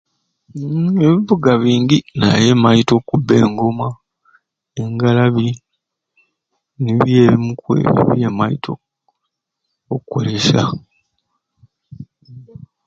Uumm ebivuga bingi naye maite okukubba engoma engalabi nibyo ebyo ebimwe byemaite okwesa.